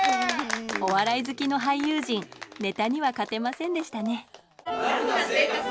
お笑い好きの俳優陣ネタには勝てませんでしたね